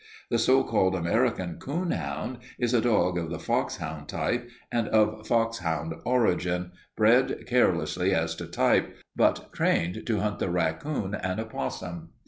The so called American coon hound is a dog of the foxhound type and of foxhound origin, bred carelessly as to type, but trained to hunt the raccoon and opossum.